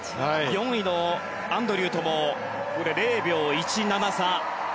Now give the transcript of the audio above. ４位のアンドリューとも０秒１７差。